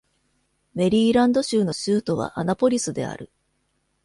メリーランド州の州都はアナポリスである